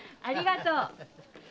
ありがとう。